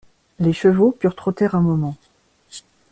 Les chevaux purent trotter un moment.